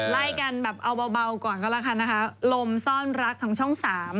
ไล่กันแบบเอาเบาก่อนก็แล้วกันนะคะลมซ่อนรักทางช่อง๓